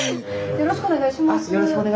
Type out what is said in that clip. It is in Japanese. よろしくお願いします。